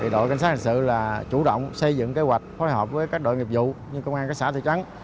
đội cảnh sát hành sự chủ động xây dựng kế hoạch phối hợp với các đội nghiệp vụ như công an các xã thị trấn